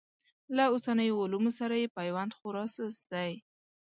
له اوسنیو علومو سره یې پیوند خورا سست دی.